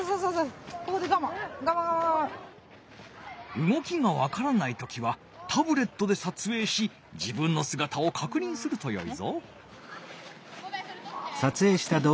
うごきがわからない時はタブレットでさつえいし自分のすがたをかくにんするとよいぞ。